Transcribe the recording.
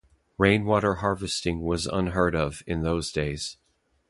Rain water harvesting was unheard of in those days.